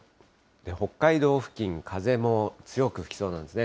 北海道付近、風も強く吹きそうなんですね。